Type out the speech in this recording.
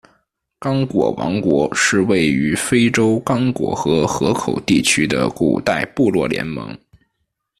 刚果王国是位于非洲刚果河河口地区的古代部落联盟。